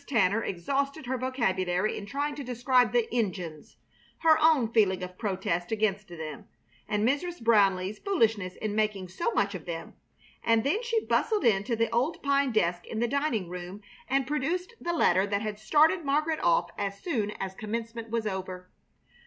Tanner exhausted her vocabulary in trying to describe the "Injuns," her own feeling of protest against them, and Mrs. Brownleigh's foolishness in making so much of them; and then she bustled in to the old pine desk in the dining room and produced the letter that had started Margaret off as soon as commencement was over.